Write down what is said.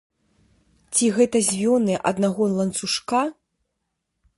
Ці гэта звёны аднаго ланцужка?